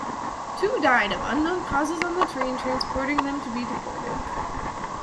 Two died of unknown causes on the train transporting them to be deported.